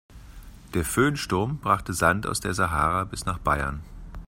Der Föhnsturm brachte Sand aus der Sahara bis nach Bayern.